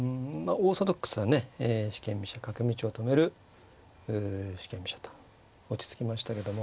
オーソドックスなね四間飛車角道を止める四間飛車と落ち着きましたけども。